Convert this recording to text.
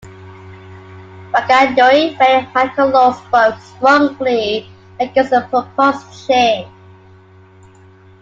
Wanganui Mayor Michael Laws spoke strongly against the proposed change.